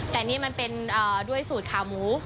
แต่นี่มันเป็นด้วยสูตรขาหมู